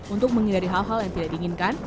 untuk menghindari hal hal yang tidak diinginkan